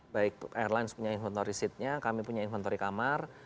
baik airlines punya inventory seatnya kami punya inventory kamar